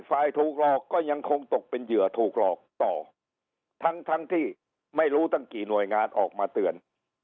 ฝ่ายถูกหลอกก็ยังคงตกเป็นเหยื่อถูกหลอกต่อทั้งทั้งที่ไม่รู้ตั้งกี่หน่วยงานออกมาเตือน